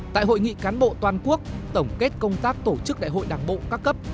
tại hội nghị cán bộ toàn quốc tổng kết công tác tổ chức đại hội đảng bộ các cấp